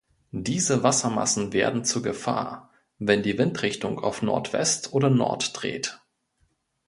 Diese Wassermassen werden zur Gefahr, wenn die Windrichtung auf Nordwest oder Nord dreht.